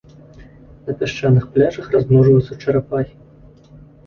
На пясчаных пляжах размножваюцца чарапахі.